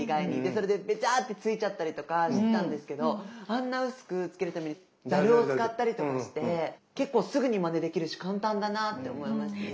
それでベチャッてついちゃったりとかしてたんですけどあんな薄くつけるためにざるを使ったりとかして結構すぐにまねできるし簡単だなって思いましたね。